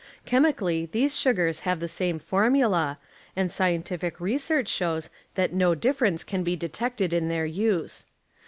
Cliemically these sugars haAC the same formula, and scientific research shows that no differnce can be detected in their use.